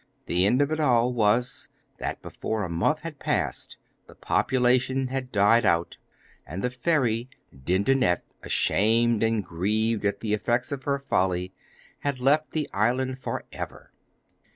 The end of it all was, that before a month had passed the population had died out, and the fairy Dindonette, ashamed and grieved at the effects of her folly, had left the island for ever.